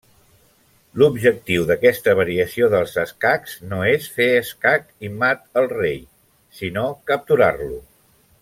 L'objectiu d'aquesta variació dels escacs no és fer escac i mat al rei, sinó capturar-lo.